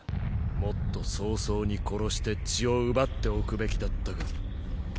もっと早々に殺して血を奪っておくべきだったか。